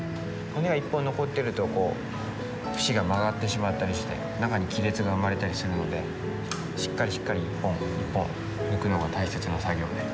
骨が１本残ってると節が曲がってしまったりして中に亀裂が生まれたりするのでしっかりしっかり一本一本抜くのが大切な作業で。